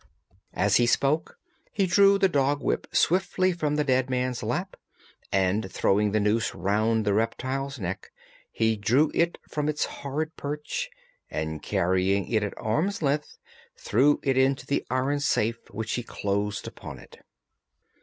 As he spoke he drew the dog whip swiftly from the dead man's lap, and throwing the noose round the reptile's neck he drew it from its horrid perch and, carrying it at arm's length, threw it into the iron safe, which he closed upon it.